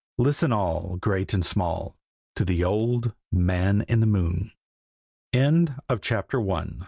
Listen all, great and small, to the old MAN IN THE MOON CHAPTER II.